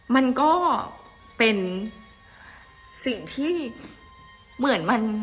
มันก็เป็นสิ่งที่เหมือนมัน